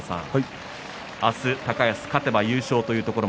あす高安勝てば優勝です。